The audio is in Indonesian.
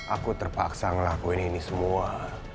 aku terpaksa ngelakuin ini semua